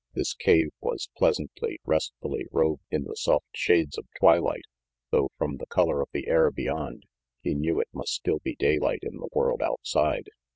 This cave was pleasantly, restfully robed in the soft shades of twilight, though from the color of the air beyond, he knew it must still be daylight in the world outside.